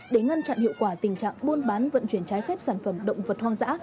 để ngăn chặn hiệu quả tình trạng buôn bán vận chuyển trái phép sản phẩm động vật hoang dã